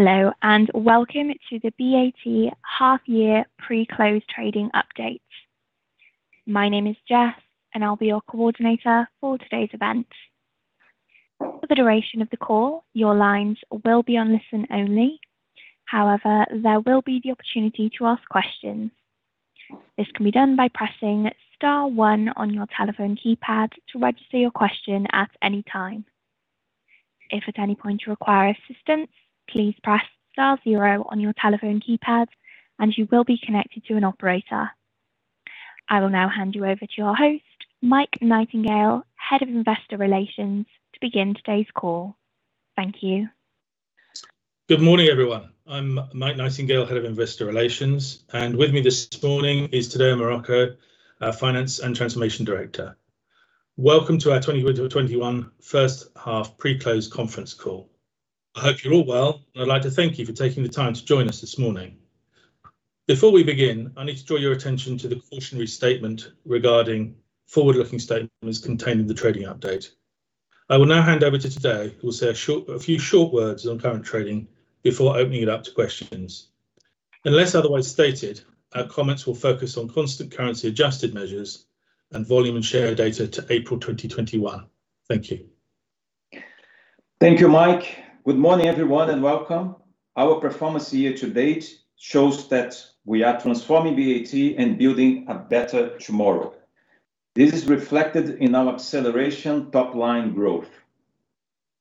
Hello, and welcome to the BAT Half-year Pre-close Trading Update. My name is Jess and I'll be your coordinator for today's event. For the duration of the call, your lines will be on listen only. However, there will be the opportunity to ask questions. This can be done by pressing star one on your telephone keypad to register your question at any time. If at any point you require assistance, please press star zero on your telephone keypad and you will be connected to an operator. I will now hand you over to your host, Mike Nightingale, Head of Investor Relations, to begin today's call. Thank you. Good morning, everyone. I'm Mike Nightingale, Head of Investor Relations, and with me this morning is Tadeu Marroco, our Finance and Transformation Director. Welcome to our 2021 First Half Pre-close Conference Call. I hope you're all well, and I'd like to thank you for taking the time to join us this morning. Before we begin, I need to draw your attention to the cautionary statement regarding forward-looking statements contained in the trading update. I will now hand over to Tadeu, who will say a few short words on current trading before opening it up to questions. Unless otherwise stated, our comments will focus on constant currency adjusted measures and volume share data to April 2021. Thank you. Thank you, Mike. Good morning, everyone, and welcome. Our performance year-to-date shows that we are transforming BAT and building a better tomorrow. This is reflected in our acceleration top-line growth.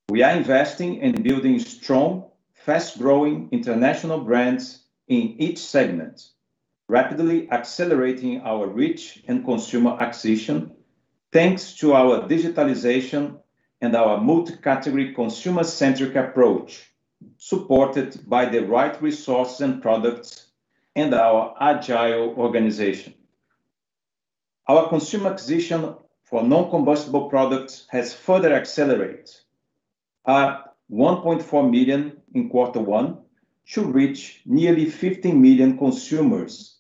We are investing in building strong, fast-growing international brands in each segment, rapidly accelerating our reach and consumer acquisition, thanks to our digitalization and our multi-category consumer-centric approach, supported by the right resources and products in our agile organization. Our consumer acquisition for non-combustible products has further accelerated. At 1.4 million in quarter one to reach nearly 50 million consumers,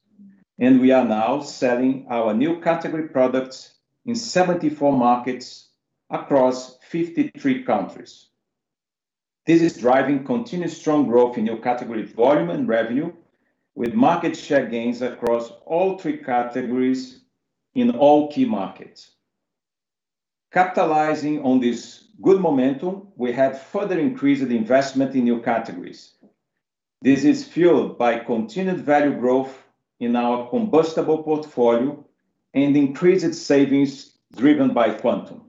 and we are now selling our new category products in 74 markets across 53 countries. This is driving continued strong growth in new category volume and revenue, with market share gains across all three categories in all key markets. Capitalizing on this good momentum, we have further increased investment in new categories. This is fueled by continued value growth in our combustible portfolio and increased savings driven by Quantum.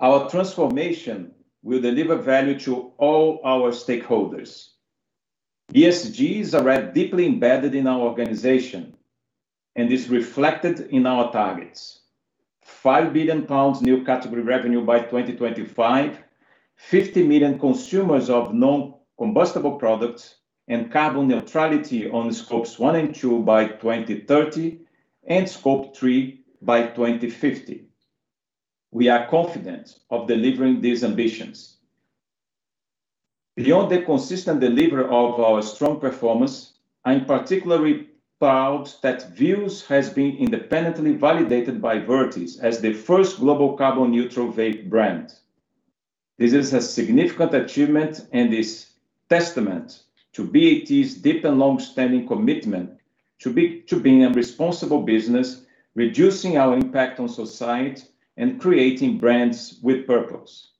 Our transformation will deliver value to all our stakeholders. ESG is already deeply embedded in our organization and is reflected in our targets. 5 billion pounds new category revenue by 2025, 50 million consumers of non-combustible products, and carbon neutrality on Scopes 1 and 2 by 2030, and Scope 3 by 2050. We are confident of delivering these ambitions. Beyond the consistent delivery of our strong performance, I'm particularly proud that Vuse has been independently validated by Vertis as the first global carbon neutral vape brand. This is a significant achievement and is testament to BAT's deep and longstanding commitment to being a responsible business, reducing our impact on society, and creating brands with purpose.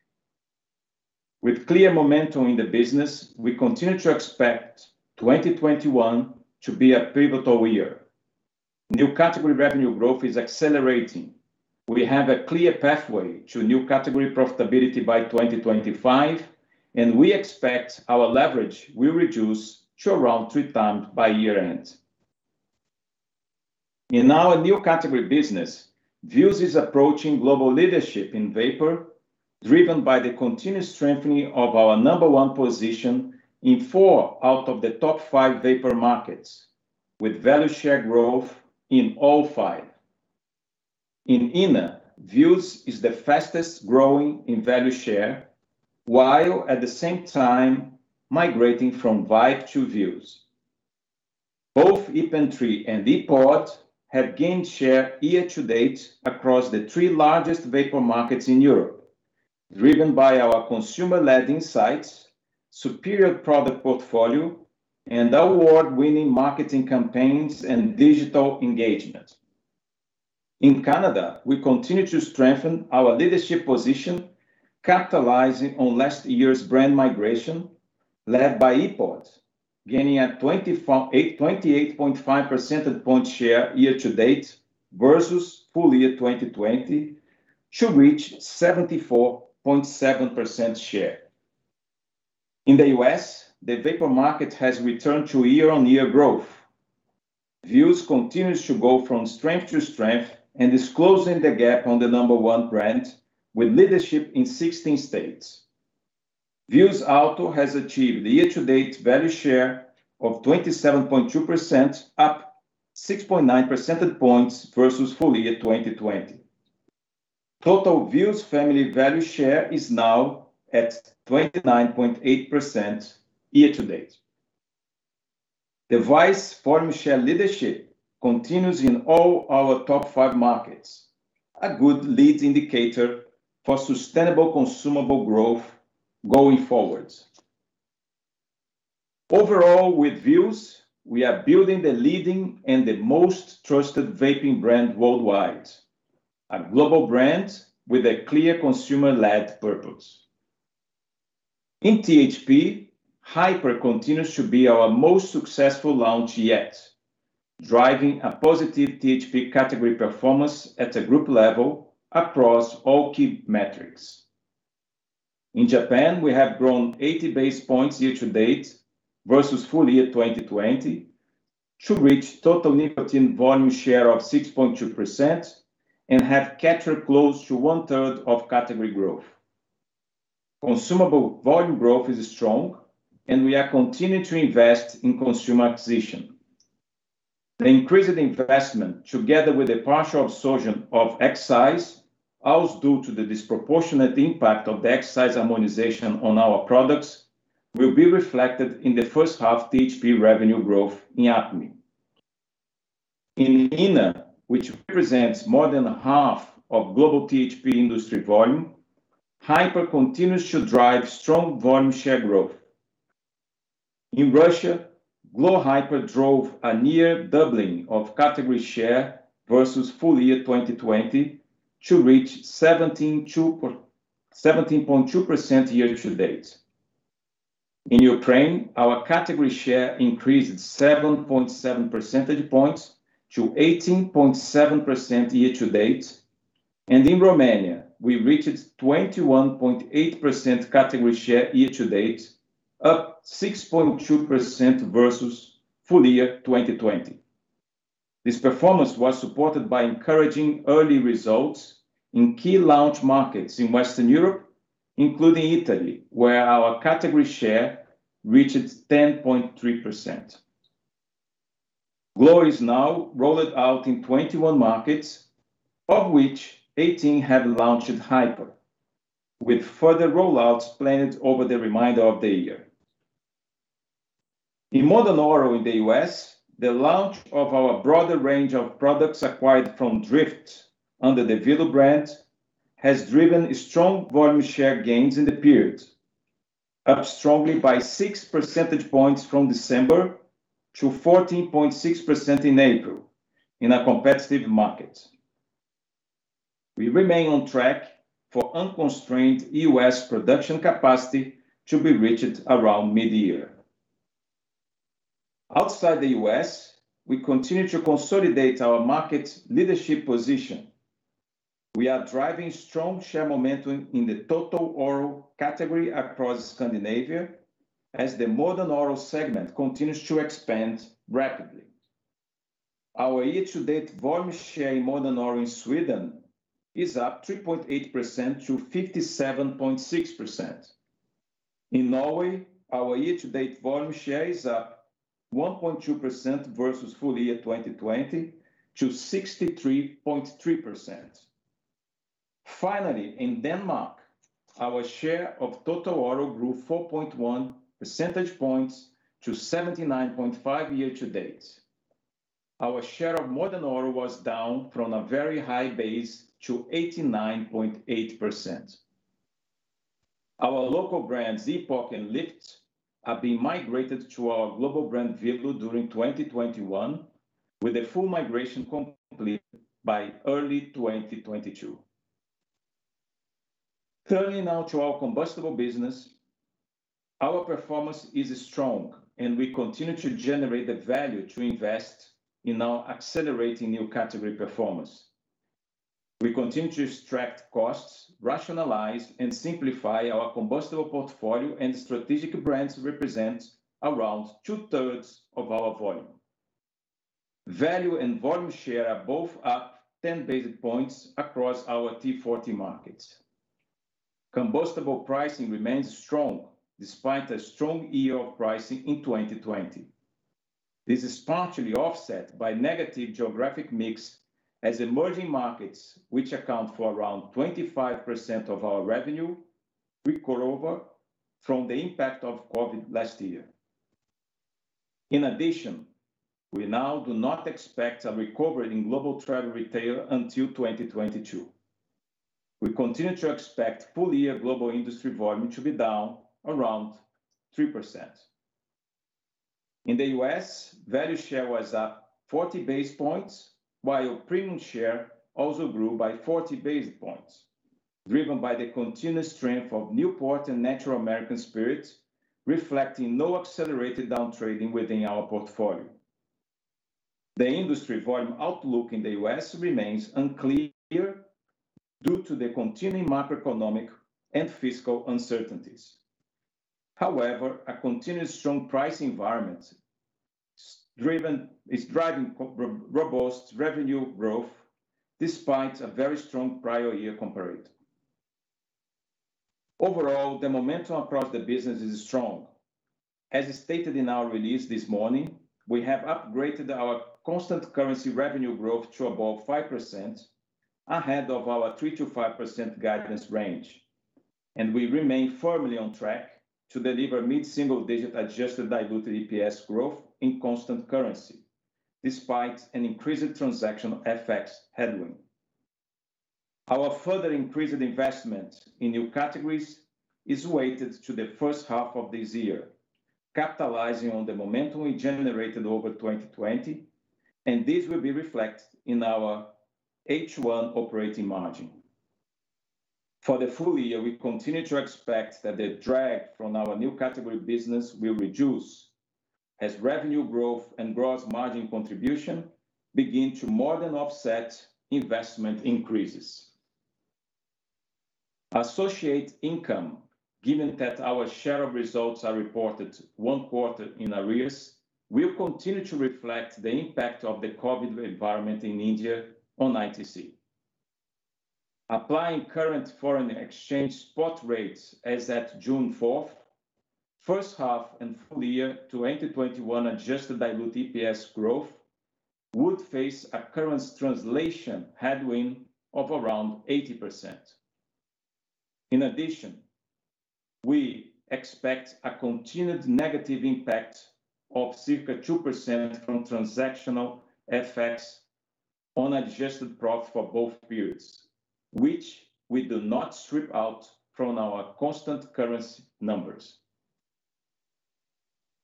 With clear momentum in the business, we continue to expect 2021 to be a pivotal year. New category revenue growth is accelerating. We have a clear pathway to new category profitability by 2025, and we expect our leverage will reduce to around 3x by year-end. In our new category business, Vuse is approaching global leadership in vapor, driven by the continued strengthening of our number one position in four out of the top five vapor markets, with value share growth in all five. In MENA, Vuse is the fastest-growing in value share, while at the same time migrating from Vype to Vuse. Both ePen 3 and ePod have gained share year-to-date across the three largest vapor markets in Europe, driven by our consumer-led insights, superior product portfolio, and award-winning marketing campaigns and digital engagement. In Canada, we continue to strengthen our leadership position, capitalizing on last year's brand migration, led by ePod, gaining a 28.5% in point share year-to-date versus full year 2020 to reach 74.7% share. In the U.S., the vapor market has returned to year-on-year growth. Vuse continues to go from strength to strength and is closing the gap on the number one brand with leadership in 16 states. Vuse Alto has achieved a year-to-date value share of 27.2%, up 6.9% points versus full year 2020. Total Vuse family value share is now at 29.8% year-to-date. Device volume share leadership continues in all our top five markets, a good lead indicator for sustainable consumable growth going forward. Overall, with Vuse, we are building the leading and the most trusted vaping brand worldwide, a global brand with a clear consumer-led purpose. In THP, Hyper continues to be our most successful launch yet, driving a positive THP category performance at a group level across all key metrics. In Japan, we have grown 80 basis points year-to-date versus full year 2020 to reach total nicotine volume share of 6.2% and have captured close to 1/3 of category growth. Consumable volume growth is strong. We are continuing to invest in consumer acquisition. The increased investment, together with the partial absorption of excise, all due to the disproportionate impact of the excise harmonization on our products, will be reflected in the first half THP revenue growth in AME. In MENA, which represents more than 1/2 of global THP industry volume, Hyper continues to drive strong volume share growth. In Russia, glo Hyper drove a near doubling of category share versus full year 2020 to reach 17.2% year-to-date. In Ukraine, our category share increased 7.7 percentage points to 18.7% year-to-date, and in Romania, we reached 21.8% category share year-to-date, up 6.2% versus full year 2020. This performance was supported by encouraging early results in key launch markets in Western Europe, including Italy, where our category share reached 10.3%. Glo is now rolled out in 21 markets, of which 18 have launched Hyper, with further rollouts planned over the remainder of the year. In Modern Oral in the U.S., the launch of our broader range of products acquired from Dryft under the Velo brand has driven strong volume share gains in the period, up strongly by 6 percentage points from December to 14.6% in April in a competitive market. We remain on track for unconstrained U.S. production capacity to be reached around mid-year. Outside the U.S., we continue to consolidate our market leadership position. We are driving strong share momentum in the total oral category across Scandinavia as the Modern Oral segment continues to expand rapidly. Our year-to-date volume share in Modern Oral in Sweden is up 3.8%-57.6%. In Norway, our year-to-date volume share is up 1.2% versus full year 2020 to 63.3%. Finally, in Denmark, our share of total oral grew 4.1 percentage points to 79.5% year-to-date. Our share of Modern Oral was down from a very high base to 89.8%. Our local brands, Zippo and Lyft, have been migrated to our global brand Velo during 2021, with the full migration complete by early 2022. Turning now to our combustible business. Our performance is strong, and we continue to generate the value to invest in our accelerating new category performance. We continue to extract costs, rationalize and simplify our combustible portfolio, and strategic brands represent around 2/3 of our volume. Value and volume share are both up 10 basis points across our T40 markets. Combustible pricing remains strong despite a strong year of pricing in 2020. This is partially offset by negative geographic mix as emerging markets, which account for around 25% of our revenue, recover from the impact of COVID last year. In addition, we now do not expect a recovery in global travel retail until 2022. We continue to expect full-year global industry volume to be down around 3%. In the U.S., value share was up 40 basis points, while premium share also grew by 40 basis points, driven by the continued strength of Newport and Natural American Spirit, reflecting no accelerated down trading within our portfolio. The industry volume outlook in the U.S. remains unclear due to the continuing macroeconomic and fiscal uncertainties. However, a continued strong pricing environment is driving robust revenue growth despite a very strong prior year comparator. Overall, the momentum across the business is strong. As stated in our release this morning, we have upgraded our constant currency revenue growth to above 5%, ahead of our 3%-5% guidance range. We remain firmly on track to deliver mid-single digit adjusted diluted EPS growth in constant currency, despite an increased transaction FX headwind. Our further increased investment in new categories is weighted to the first half of this year, capitalizing on the momentum we generated over 2020, and this will be reflected in our H1 operating margin. For the full year, we continue to expect that the drag from our new category business will reduce as revenue growth and gross margin contribution begin to more than offset investment increases. Associate income, given that our share of results are reported one quarter in arrears, will continue to reflect the impact of the COVID environment in India on ITC. Applying current foreign exchange spot rates as at June 4th, first half and full year 2021 adjusted dilute EPS growth would face a currency translation headwind of around 80%. In addition, we expect a continued negative impact of circa 2% from transactional FX on adjusted profit for both periods, which we do not strip out from our constant currency numbers.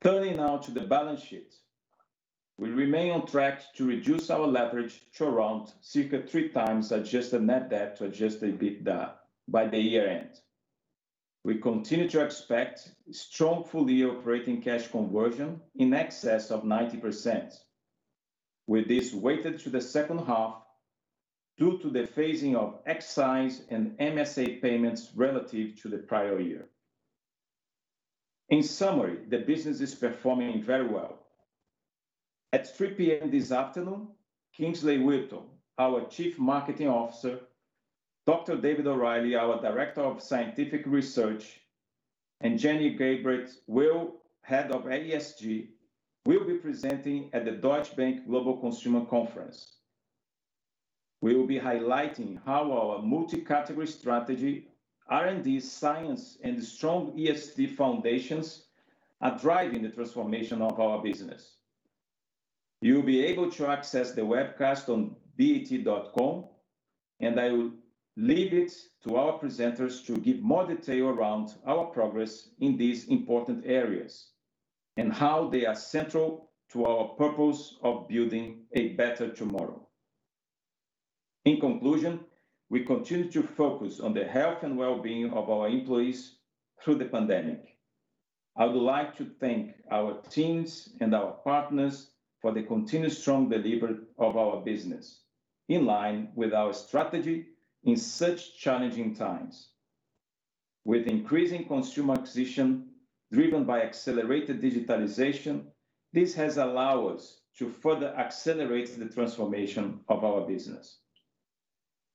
Turning now to the balance sheet. We remain on track to reduce our leverage to around circa 3x adjusted net debt to adjusted EBITDA by the year-end. We continue to expect strong full-year operating cash conversion in excess of 90%, with this weighted to the second half due to the phasing of excise and MSA payments relative to the prior year. In summary, the business is performing very well. At 3:00 P.M. this afternoon, Kingsley Wheaton, our Chief Marketing Officer, Dr. David O'Reilly, our Director of Scientific Research, and Jenny Graeber, Head of ESG, will be presenting at the Deutsche Bank Global Consumer Conference. We will be highlighting how our multi-category strategy, R&D, science, and strong ESG foundations are driving the transformation of our business. You'll be able to access the webcast on bat.com, and I will leave it to our presenters to give more detail around our progress in these important areas and how they are central to our purpose of building a better tomorrow. In conclusion, we continue to focus on the health and well-being of our employees through the pandemic. I would like to thank our teams and our partners for the continued strong delivery of our business, in line with our strategy in such challenging times. With increasing consumer acquisition driven by accelerated digitalization, this has allowed us to further accelerate the transformation of our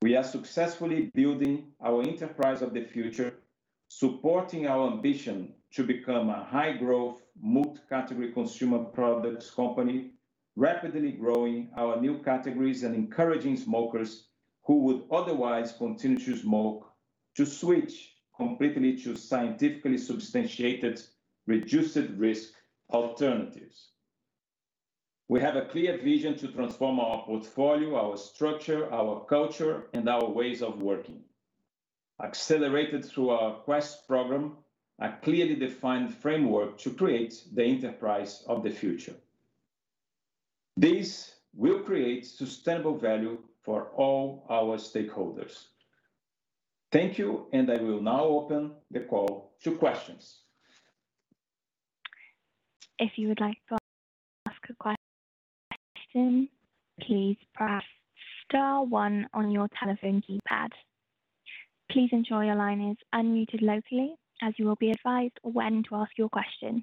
business. We are successfully building our enterprise of the future, supporting our ambition to become a high-growth, multi-category consumer products company, rapidly growing our new categories and encouraging smokers who would otherwise continue to smoke to switch completely to scientifically substantiated reduced risk alternatives. We have a clear vision to transform our portfolio, our structure, our culture, and our ways of working, accelerated through our QUEST program, a clearly defined framework to create the enterprise of the future. This will create sustainable value for all our stakeholders. Thank you. I will now open the call to questions. If you would like to ask a question, please press star one on your telephone keypad. Please ensure your line is unmuted loudly as you will be advised when to ask your question.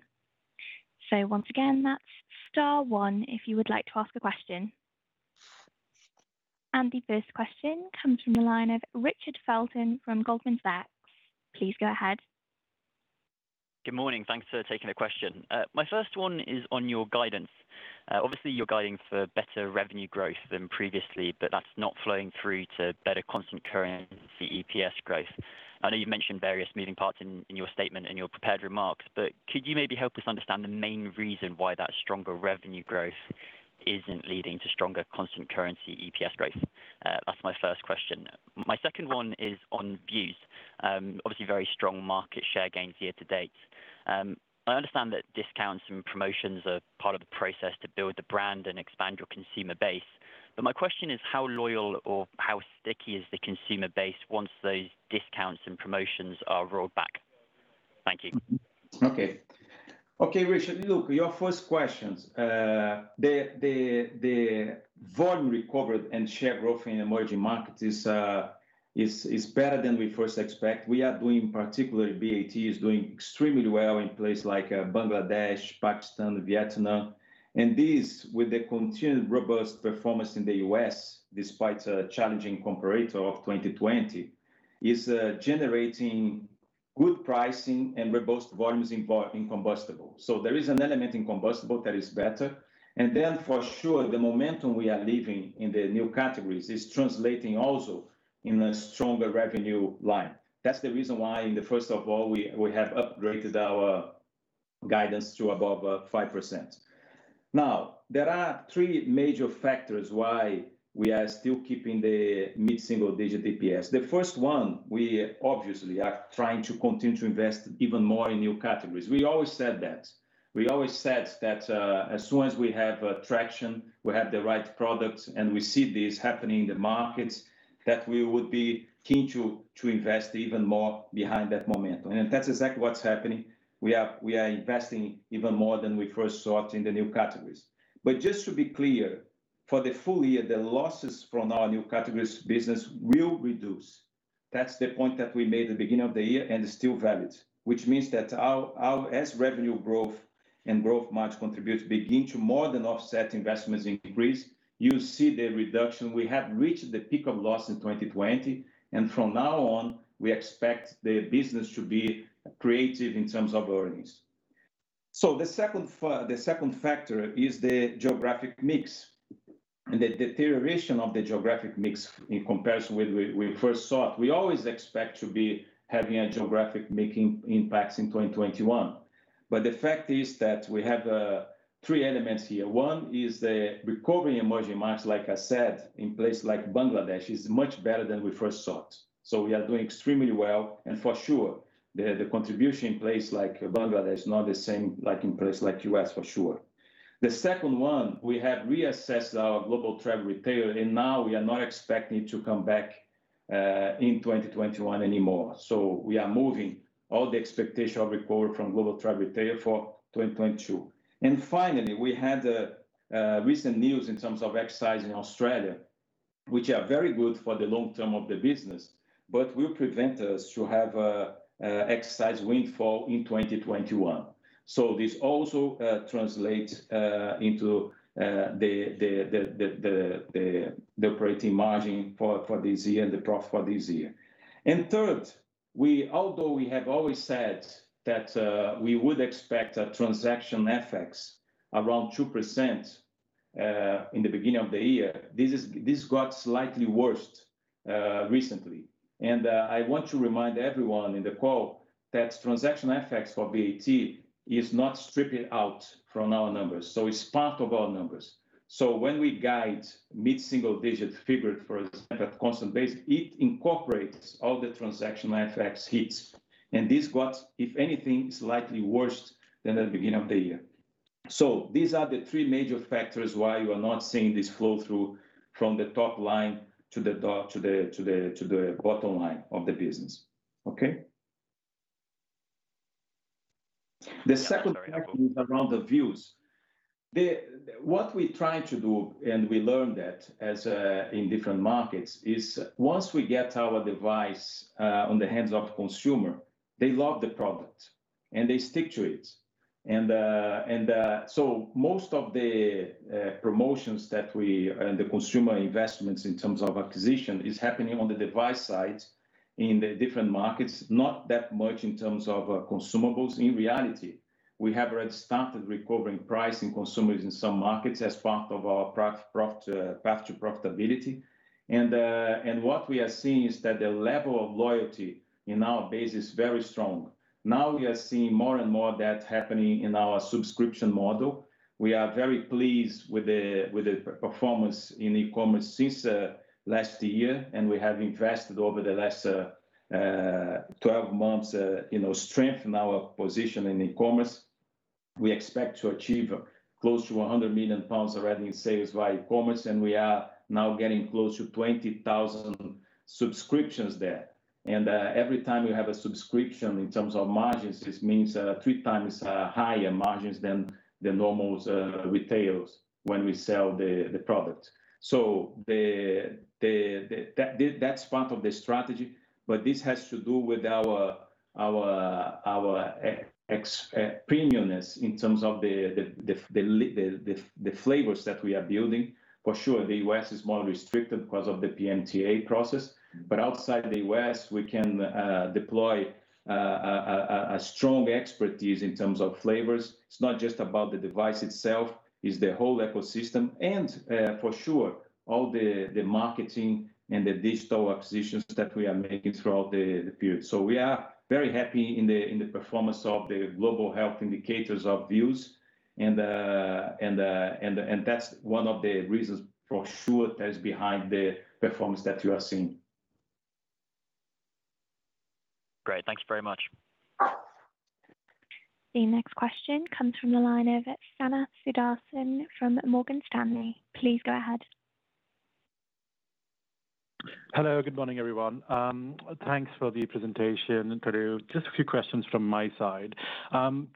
Once again, that's star one if you would like to ask a question. The first question comes from the line of Richard Felton from Goldman Sachs. Please go ahead. Good morning. Thanks for taking a question. My first one is on your guidance. Obviously, you're guiding for better revenue growth than previously, but that's not flowing through to better constant currency EPS growth. I know you mentioned various moving parts in your statement, in your prepared remarks, but could you maybe help us understand the main reason why that stronger revenue growth isn't leading to stronger constant currency EPS growth? That's my first question. My second one is on Vuse. Obviously, very strong market share gains year-to-date. I understand that discounts and promotions are part of the process to build a brand and expand your consumer base. My question is how loyal or how sticky is the consumer base once those discounts and promotions are rolled back? Thank you. Richard, look, your first questions. The volume recovered and share growth in emerging markets is better than we first expect. Particularly BAT, is doing extremely well in places like Bangladesh, Pakistan, Vietnam. This, with the continued robust performance in the U.S., despite a challenging comparator of 2020, is generating good pricing and robust volumes in combustible. There is an element in combustible that is better. Then for sure, the momentum we are leaving in the new categories is translating also in a stronger revenue line. That's the reason why, first of all, we have upgraded our guidance to above 5%. There are three major factors why we are still keeping the mid-single digit EPS. The first one, we obviously are trying to continue to invest even more in new categories. We always said that. We always said that as soon as we have traction, we have the right products, and we see this happening in the markets, that we would be keen to invest even more behind that momentum. That's exactly what's happening. We are investing even more than we first thought in the new categories. Just to be clear, for the full year, the losses from our new categories business will reduce. That's the point that we made at the beginning of the year and is still valid, which means that as revenue growth and gross margin contribute, begin to more than offset investments increase, you'll see the reduction. We have reached the peak of loss in 2020, and from now on, we expect the business to be accretive in terms of earnings. The second factor is the geographic mix and the deterioration of the geographic mix in comparison with what we first thought. We always expect to be having a geographic mix impact in 2021. The fact is that we have three elements here. One is the recovery in emerging markets, like I said, in places like Bangladesh, is much better than we first thought. We are doing extremely well, and for sure, the contribution in places like Bangladesh is not the same like in places like the U.S., for sure. The second one, we had reassessed our global travel retail, and now we are not expecting to come back in 2021 anymore. We are moving all the expectation of recovery from global travel retail for 2022. Finally, we had recent news in terms of excise in Australia, which are very good for the long term of the business, but will prevent us to have excise windfall in 2021. This also translates into the operating margin for this year and the profit for this year. Third, although we have always said that we would expect a transaction FX around 2% in the beginning of the year, this got slightly worse recently. I want to remind everyone in the call that transaction FX for BAT is not stripped out from our numbers, so it's part of our numbers. When we guide mid-single digit figure, for example, at constant base, it incorporates all the transaction FX hits. This was, if anything, slightly worse than the beginning of the year. These are the three major factors why you are not seeing this flow through from the top line to the bottom line of the business. Okay? The second question is around the Vuse. What we try to do, and we learned that in different markets, is once we get our device on the hands of consumer, they love the product, and they stick to it. Most of the promotions that we, and the consumer investments in terms of acquisition, is happening on the device side in the different markets, not that much in terms of consumables. In reality, we have already started recovering price in consumers in some markets as part of our path to profitability. What we are seeing is that the level of loyalty in our base is very strong. Now we are seeing more and more of that happening in our subscription model. We are very pleased with the performance in e-commerce since last year. We have invested over the last 12 months to strengthen our position in e-commerce. We expect to achieve close to 100 million pounds of revenue sales via e-commerce. We are now getting close to 20,000 subscriptions there. Every time you have a subscription in terms of margins, this means 3x higher margins than the normal retails when we sell the products. That's part of the strategy. This has to do with our opinion in terms of the flavors that we are building. For sure, the U.S. is more restricted because of the PMTA process. Outside the U.S., we can deploy a strong expertise in terms of flavors. It's not just about the device itself, it's the whole ecosystem and, for sure, all the marketing and the digital acquisitions that we are making throughout the period. We are very happy in the performance of the global health indicators of Vuse, and that's one of the reasons, for sure, that is behind the performance that you are seeing. Great. Thank you very much. The next question comes from the line of Shanna Sundarsan from Morgan Stanley. Please go ahead. Hello, good morning, everyone. Thanks for the presentation, Tadeu. Just a few questions from my side.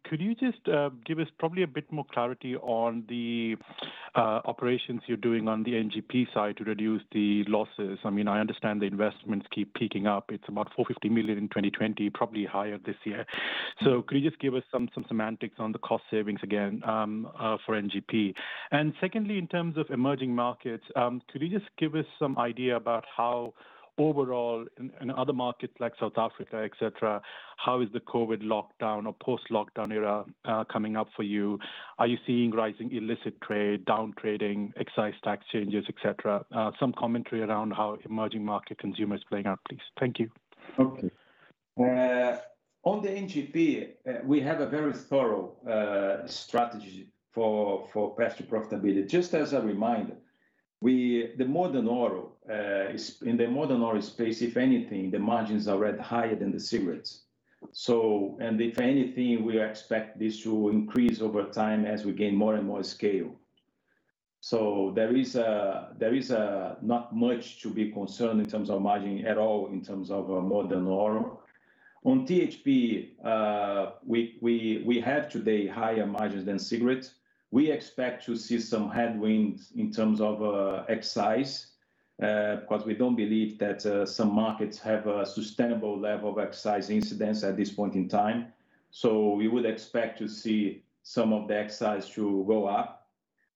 Could you just give us probably a bit more clarity on the operations you're doing on the NGP side to reduce the losses? I understand the investments keep peaking up. It's about 450 million in 2020, probably higher this year. Could you just give us some semantics on the cost savings again for NGP? Secondly, in terms of emerging markets, could you just give us some idea about how overall in other markets like South Africa, et cetera, how is the COVID lockdown or post-lockdown era coming up for you? Are you seeing rising illicit trade, down-trading, excise tax changes, et cetera? Some commentary around how emerging market consumer is playing out, please. Thank you. On the NGP, we have a very thorough strategy for passive profitability. Just as a reminder, in the Modern Oral space, if anything, the margins are already higher than the cigarettes. If anything, we expect this to increase over time as we gain more and more scale. There is not much to be concerned in terms of margin at all in terms of Modern Oral. On THP, we have today higher margins than cigarettes. We expect to see some headwinds in terms of excise, because we don't believe that some markets have a sustainable level of excise incidence at this point in time. We would expect to see some of the excise to go up.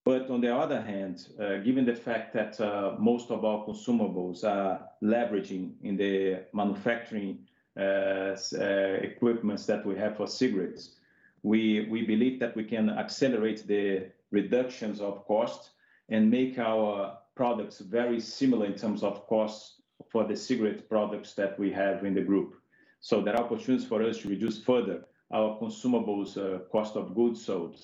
On the other hand, given the fact that most of our consumables are leveraging in the manufacturing equipments that we have for cigarettes, we believe that we can accelerate the reductions of cost and make our products very similar in terms of cost for the cigarette products that we have in the group. There are opportunities for us to reduce further our consumables cost of goods sold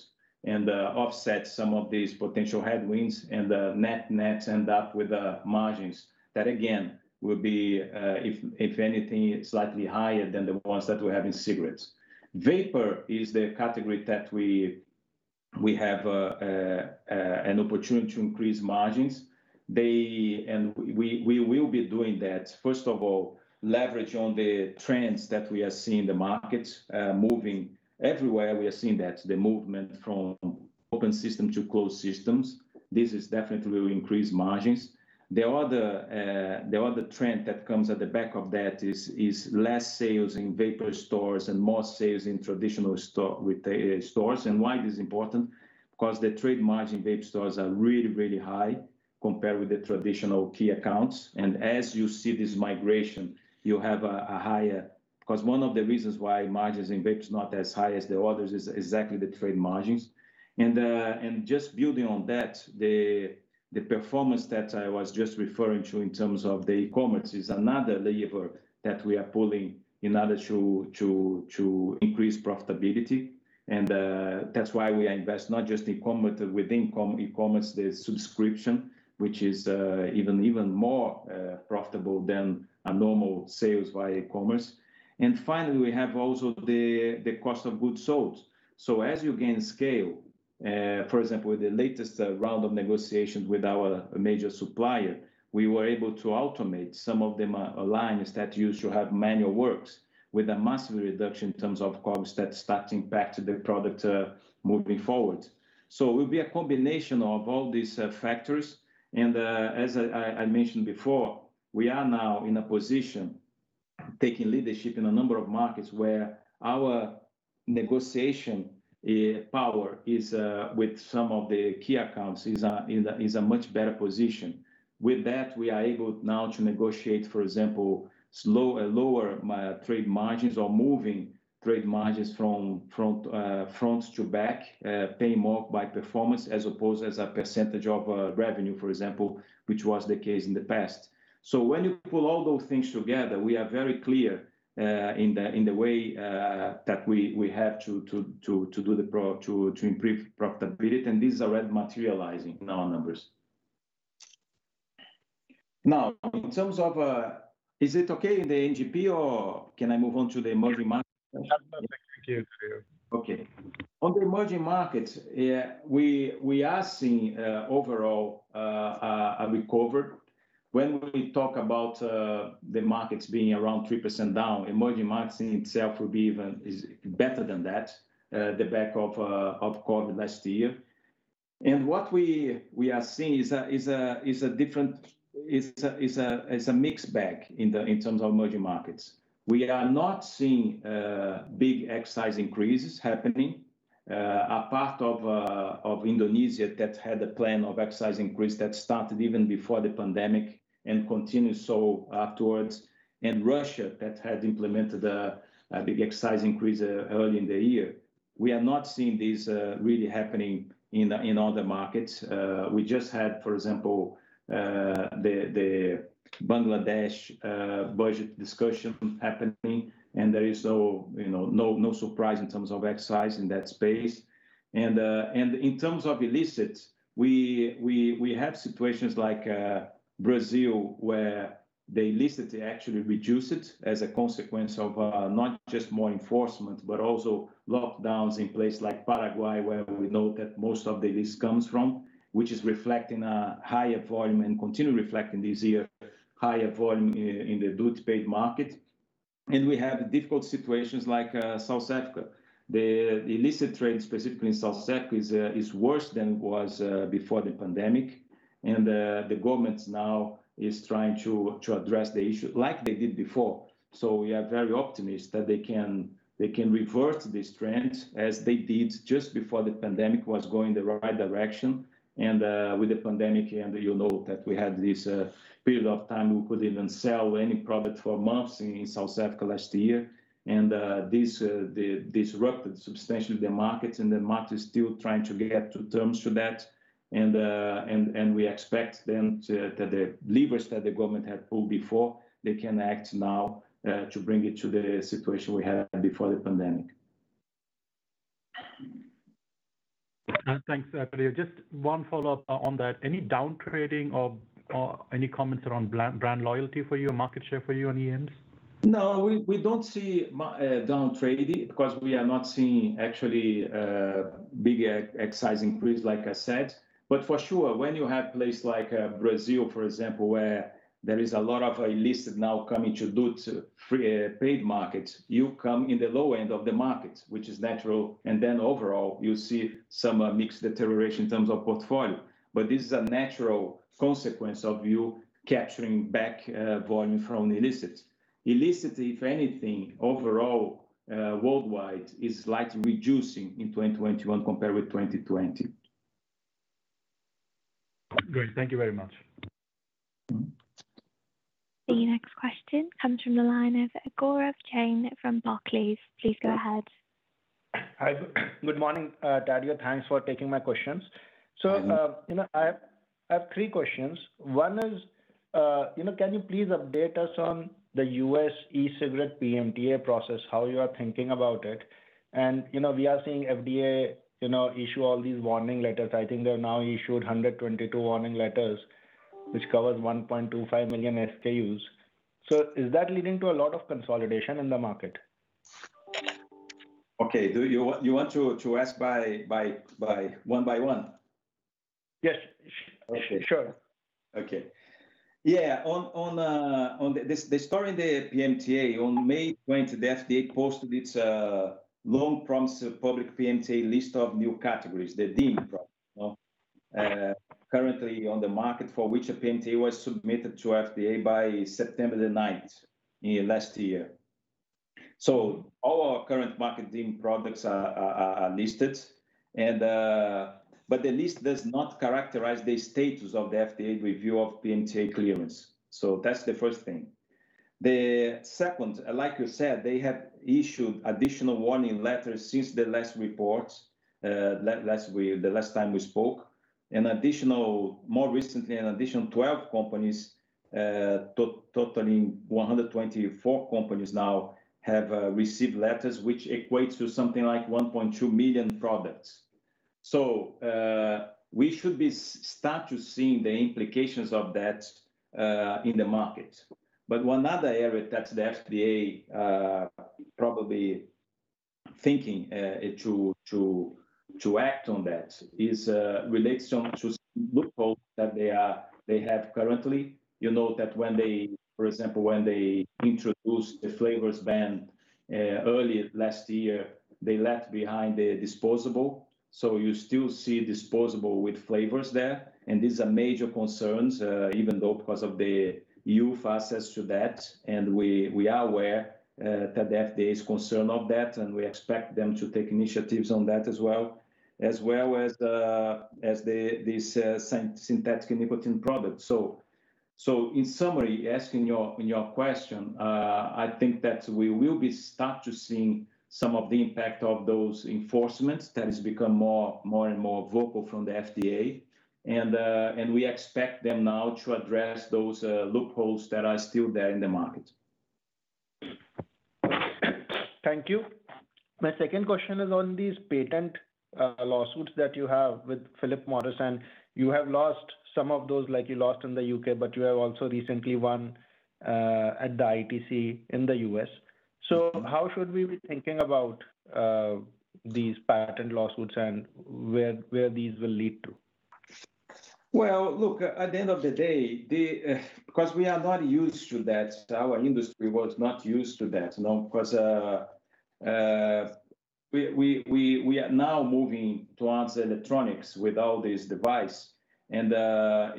and offset some of these potential headwinds and net end up with margins. That again, will be, if anything, slightly higher than the ones that we have in cigarettes. Vapor is the category that we have an opportunity to increase margins. We will be doing that. First of all, leverage on the trends that we are seeing in the market, moving everywhere, we are seeing that. The movement from open system to closed systems, this is definitely will increase margins. The other trend that comes at the back of that is less sales in vapor stores and more sales in traditional stores. Why it is important? Because the trade margin in vape stores are really, really high compared with the traditional key accounts. As you see this migration, one of the reasons why margins in vape is not as high as the others is exactly the trade margins. Just building on that, the performance that I was just referring to in terms of the e-commerce is another lever that we are pulling in order to increase profitability. That's why we invest not just in e-commerce, but within e-commerce, the subscription, which is even more profitable than a normal sales via e-commerce. Finally, we have also the cost of goods sold. As you gain scale, for example, with the latest round of negotiations with our major supplier, we were able to automate some of the lines that used to have manual works with a massive reduction in terms of costs that's starting back to the product moving forward. It will be a combination of all these factors. As I mentioned before, we are now in a position taking leadership in a number of markets where our negotiation power with some of the key accounts is in a much better position. With that, we are able now to negotiate, for example, lower trade margins or moving trade margins from front to back, paying more by performance as opposed as a percentage of revenue, for example, which was the case in the past. When you pull all those things together, we are very clear in the way that we have to improve profitability, and these are already materializing in our numbers. In terms of, is it okay, the NGP, or can I move on to the emerging markets? No, you can continue. Okay. On the emerging markets, we are seeing overall a recovery. When we talk about the markets being around 3% down, emerging markets in itself will be even better than that at the back of COVID last year. What we are seeing is a mixed bag in terms of emerging markets. We are not seeing big excise increases happening. A part of Indonesia that had a plan of excise increase that started even before the pandemic and continued so afterwards, and Russia that had implemented a big excise increase early in the year. We are not seeing this really happening in other markets. We just had, for example, the Bangladesh budget discussion happening. There is no surprise in terms of excise in that space. In terms of illicit, we have situations like Brazil where the illicit actually reduced as a consequence of not just more enforcement, but also lockdowns in places like Paraguay, where we know that most of the illicit comes from, which is reflecting a higher volume and continue reflecting this year, higher volume in the duty paid market. We have difficult situations like South Africa. The illicit trade, specifically in South Africa, is worse than it was before the pandemic. The government now is trying to address the issue like they did before. We are very optimistic that they can reverse this trend as they did just before the pandemic was going the right direction. With the pandemic, you know that we had this period of time we couldn't even sell any product for months in South Africa last year, and this disrupted substantially the market, and the market is still trying to get to terms with that. We expect then that the levers that the government had pulled before they can act now to bring it to the situation we had before the pandemic. Thanks, Tadeu. Just one follow-up on that. Any downtrading or any comments around brand loyalty for you or market share for you on the NGPs? We don't see downtrading because we are not seeing actually big excise increase, like I said. For sure, when you have place like Brazil, for example, where there is a lot of illicit now coming to duty-paid markets, you come in the low end of the market, which is natural, overall, you see some mixed deterioration in terms of portfolio. This is a natural consequence of you capturing back volume from illicit. Illicit, if anything, overall, worldwide, is slightly reducing in 2021 compared with 2020. Great. Thank you very much. The next question comes from the line of Gaurav Jain from Barclays. Please go ahead. Hi. Good morning, Tadeu. Thanks for taking my questions. I have three questions. One is, can you please update us on the U.S. e-cigarette PMTA process, how you are thinking about it? We are seeing FDA issue all these warning letters. I think they have now issued 122 warning letters, which covers 1.25 million SKUs. Is that leading to a lot of consolidation in the market? Okay. Do you want to ask one by one? Yes. Okay. Sure. Okay. Yeah. On the story in the PMTA, on May 20th, the FDA posted its long-promised public PMTA list of new categories, the Deemed product. Currently on the market for which a PMTA was submitted to FDA by September the 9th in last year. All our current market Deemed products are listed, but the list does not characterize the status of the FDA review of PMTA clearance. That's the first thing. The second, like you said, they have issued additional warning letters since the last time we spoke. More recently, an additional 12 companies, totaling 124 companies now, have received letters, which equates to something like 1.2 million products. We should be start to seeing the implications of that in the market. One other area that the FDA probably thinking to act on that relates to some loopholes that they have currently. You know that when they, for example, introduced the flavors ban early last year, they left behind the disposable. You still see disposable with flavors there, and these are major concerns, even though because of the youth access to that, and we are aware that the FDA is concerned of that, and we expect them to take initiatives on that as well. As well as these synthetic nicotine products. In summary, asking in your question, I think that we will be start to seeing some of the impact of those enforcements that has become more and more vocal from the FDA. We expect them now to address those loopholes that are still there in the market. Thank you. My second question is on these patent lawsuits that you have with Philip Morris. You have lost some of those, like you lost in the U.K. You have also recently won at the ITC in the U.S. How should we be thinking about these patent lawsuits and where these will lead to? Well, look, at the end of the day, we are not used to that. Our industry was not used to that. We are now moving towards electronics with all this device, and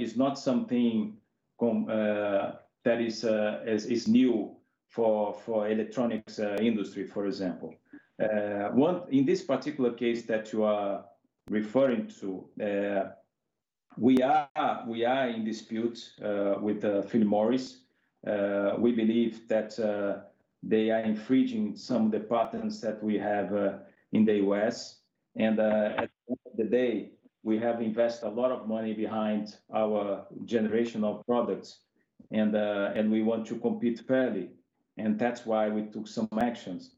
it's not something that is new for electronics industry, for example. In this particular case that you are referring to, we are in dispute with Philip Morris. We believe that they are infringing some of the patents that we have in the U.S. At the end of the day, we have invested a lot of money behind our generational products, and we want to compete fairly, and that's why we took some actions.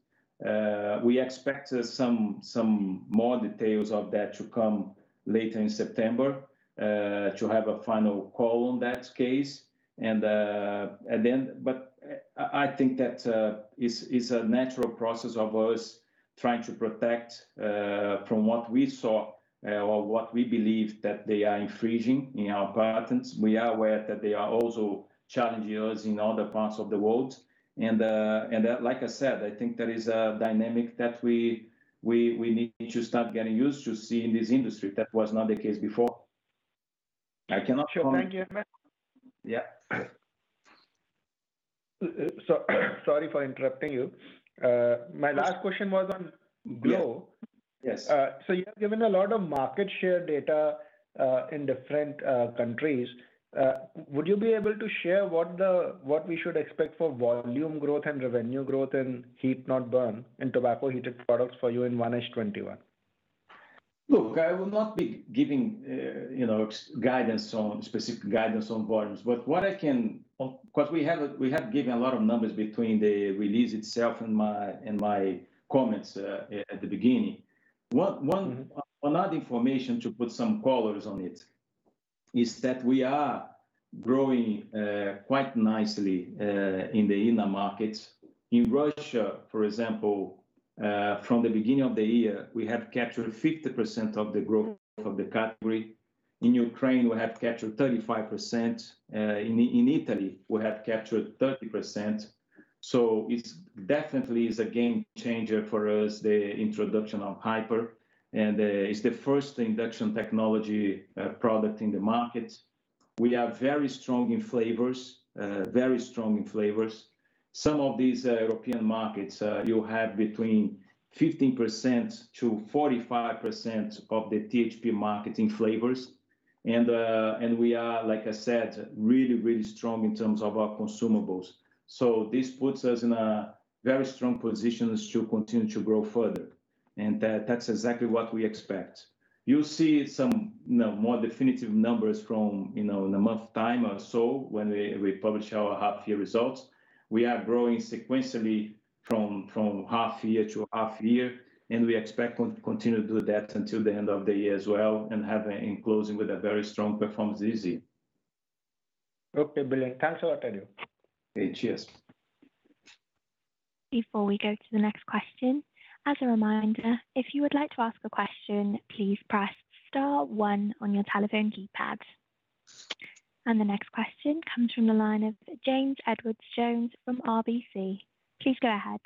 We expect some more details of that to come later in September, to have a final call on that case. I think that is a natural process of us trying to protect from what we saw or what we believe that they are infringing in our patents. We are aware that they are also challenging us in other parts of the world. Like I said, I think there is a dynamic that we need to start getting used to see in this industry. That was not the case before. I cannot comment. Thank you very much. Yeah. Sorry for interrupting you. My last question was on growth. Yes. You have given a lot of market share data in different countries. Would you be able to share what we should expect for volume growth and revenue growth in heat not burn, in tobacco heated products for you in 1H 2021? Look, I will not be giving specific guidance on volumes. Because we have given a lot of numbers between the release itself and my comments at the beginning. One other information to put some colors on it. We are growing quite nicely in the EMEA markets. In Russia, for example, from the beginning of the year, we have captured 50% of the growth of the country. In Ukraine, we have captured 35%. In Italy, we have captured 30%. It definitely is a game changer for us, the introduction of Hyper, and it's the first induction technology product in the market. We are very strong in flavors. Some of these European markets, you have between 15%-45% of the THP market in flavors. We are, like I said, really strong in terms of our consumables. This puts us in a very strong position to continue to grow further. That's exactly what we expect. You'll see some more definitive numbers in a month time or so when we publish our half-year results. We are growing sequentially from half-year to half-year, and we expect to continue to do that until the end of the year as well and have an enclosing with a very strong performance easy. Okay. Thank you, Tadeu. Okay. Cheers. Before we go to the next question, as a reminder, if you would like to ask a question, please press star one on your telephone keypad. The next question comes from the line of James Edwardes Jones from RBC. Please go ahead.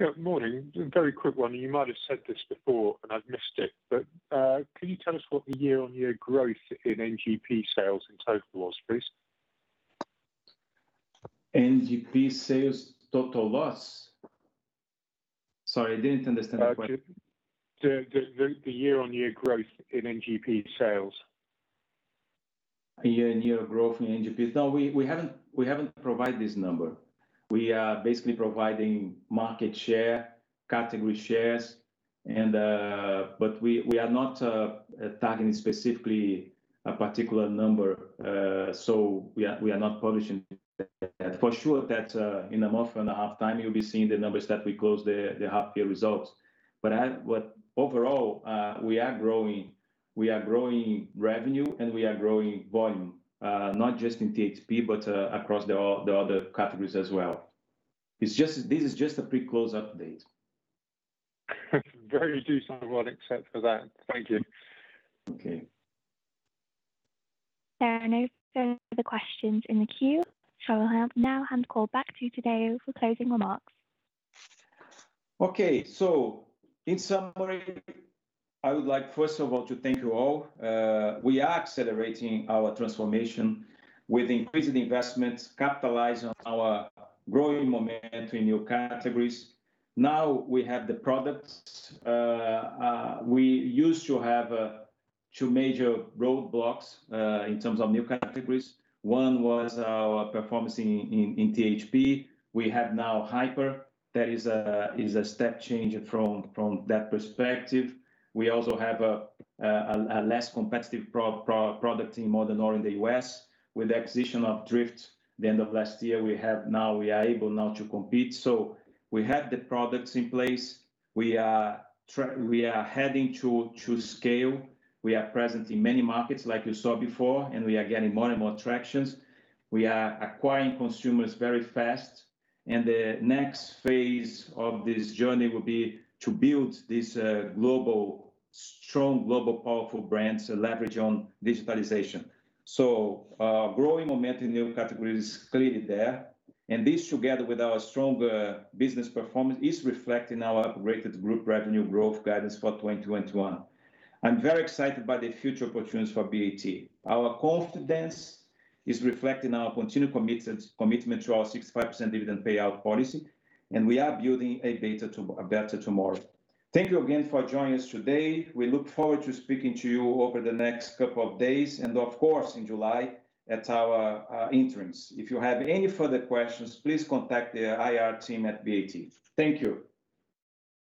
Yeah. Morning. Very quick one. You might have said this before and I've missed it, but can you tell us what the year-on-year growth in NGP sales in total was, please? NGP sales total loss? Sorry, I didn't understand the question. The year-on-year growth in NGP sales. Year-on-year growth in NGP. No, we haven't provided this number. We are basically providing market share, category shares, but we are not targeting specifically a particular number. We are not publishing that. For sure that in a 1.5 month time, you'll be seeing the numbers as we close the half year results. Overall, we are growing revenue, and we are growing volume, not just in THP, but across the other categories as well. This is just a pre-close update. Very useful one except for that. Thank you. Okay. There are no further questions in the queue. I'll now hand call back to you, Tadeu, for closing remarks. Okay. In summary, I would like first of all to thank you all. We are accelerating our transformation with increased investments, capitalizing on our growing momentum in new categories. Now we have the products. We used to have two major roadblocks in terms of new categories. One was our performance in THP. We have now Hyper. That is a step change from that perspective. We also have a less competitive product in Modern Oral in the U.S. With the acquisition of Dryft the end of last year, we are able now to compete. We have the products in place. We are heading to scale. We are present in many markets like you saw before, and we are getting more and more traction. We are acquiring consumers very fast, and the next phase of this journey will be to build this strong global powerful brand to leverage on digitalization. Growing momentum in new categories is clearly there, and this together with our stronger business performance, is reflected in our upgraded group revenue growth guidance for 2021. I'm very excited by the future opportunities for BAT. Our confidence is reflected in our continued commitment to our 65% dividend payout policy, and we are building a better tomorrow. Thank you again for joining us today. We look forward to speaking to you over the next couple of days, and of course, in July at our interim. If you have any further questions, please contact the IR team at BAT. Thank you.